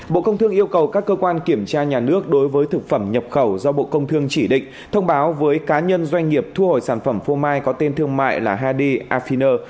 bộ công thương yêu cầu các cơ quan kiểm tra nhà nước đối với thực phẩm nhập khẩu do bộ công thương chỉ định thông báo với cá nhân doanh nghiệp thu hồi sản phẩm phô mai có tên thương mại là hadi afinner